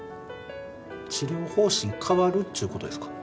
治療方針変わるっちゅうことですか？